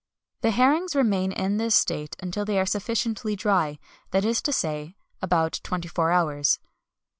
The herrings remain in this state until they are sufficiently dry, that is to say, about twenty four hours.